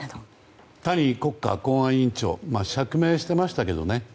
谷国家公安委員長釈明していましたけどね。